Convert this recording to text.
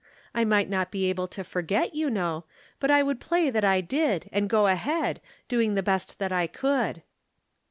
I might not be able to forget, you know ; but I would play that I did, and go ahead, doing the best that I could."